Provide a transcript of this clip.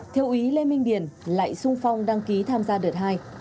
theo ý lê minh điển lại sung phong đăng ký tham gia đợt hai